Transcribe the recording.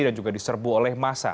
dan juga diserbu oleh masa